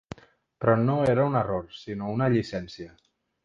Però no era un error, sinó una llicència.